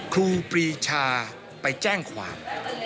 ครูปรีชาไปแจ้งความ